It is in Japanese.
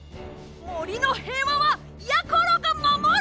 もりのへいわはやころがまもる！